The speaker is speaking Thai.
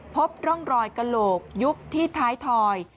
พบร่องรอยกระโหลกยุบที่ท้ายถอย